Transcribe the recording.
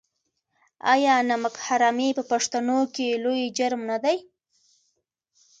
آیا نمک حرامي په پښتنو کې لوی جرم نه دی؟